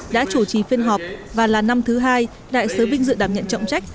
đã chủ trì phiên họp và là năm thứ hai đại sứ binh dự đảm nhận trọng trách